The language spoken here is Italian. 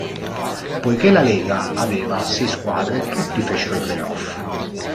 Poiché la lega aveva sei squadre tutti fecero i playoff.